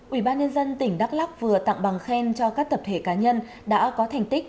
ủy ban nhân dân tỉnh đắk lắc vừa tặng bằng khen cho các tập thể cá nhân đã có thành tích